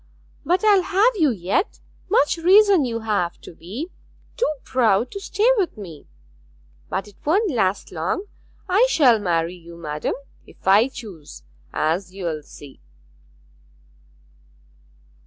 'But I'll have you yet. Much reason you have to be too proud to stay with me. But it won't last long; I shall marry you, madam, if I choose, as you'll see.'